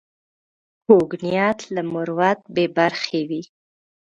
کوږ نیت له مروت بې برخې وي